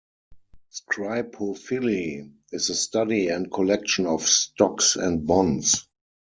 Scripophily: is the study and collection of stocks and bonds.